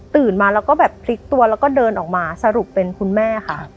มาแล้วก็แบบพลิกตัวแล้วก็เดินออกมาสรุปเป็นคุณแม่ค่ะ